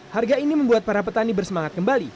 harga ini membuat para petani bersemangat kembali